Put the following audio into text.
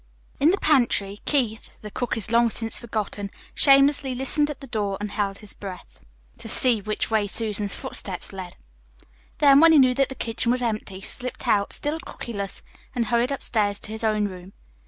In the pantry, Keith, the cookies long since forgotten, shamelessly listened at the door and held his breath to see which way Susan's footsteps led. Then, when he knew that the kitchen was empty, he slipped out, still cookyless, and hurried upstairs to his own room.